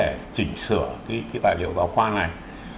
để chỉnh sửa cái tài liệu giáo khoa này